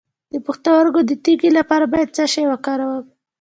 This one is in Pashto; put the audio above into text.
د پښتورګو د تیږې لپاره باید څه شی وکاروم؟